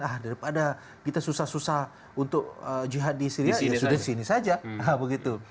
ah daripada kita susah susah untuk jihad di syria ya sudah di sini saja begitu